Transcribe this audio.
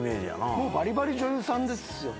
もうばりばり女優さんですよね。